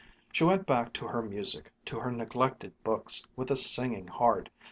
She went back to her music, to her neglected books, with a singing heart.